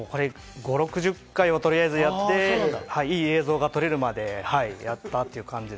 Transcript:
５０６０回はとりあえずやって、いい映像が撮れるまでやりました。